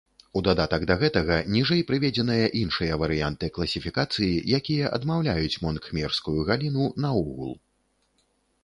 У дадатак да гэтага, ніжэй прыведзеныя іншыя варыянты класіфікацыі, якія адмаўляюць мон-кхмерскую галіну наогул.